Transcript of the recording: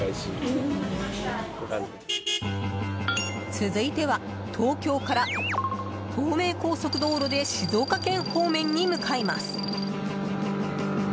続いては東京から東名高速道路で静岡県方面に向かいます。